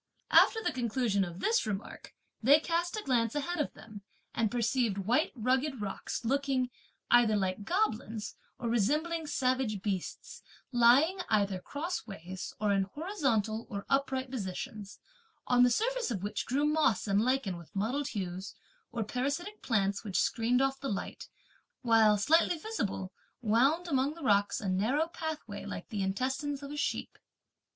After the conclusion of this remark, they cast a glance ahead of them, and perceived white rugged rocks looking, either like goblins, or resembling savage beasts, lying either crossways, or in horizontal or upright positions; on the surface of which grew moss and lichen with mottled hues, or parasitic plants, which screened off the light; while, slightly visible, wound, among the rocks, a narrow pathway like the intestines of a sheep.